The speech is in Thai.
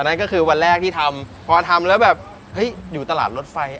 นั่นก็คือวันแรกที่ทำพอทำแล้วแบบเฮ้ยอยู่ตลาดรถไฟ